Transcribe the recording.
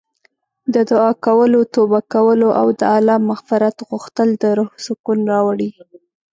د دعا کولو، توبه کولو او د الله مغفرت غوښتل د روح سکون راوړي.